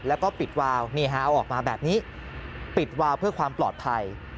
แล้วก็ปิดวาวเอาออกมาแบบนี้ปิดวาวเพื่อความปลอดภัย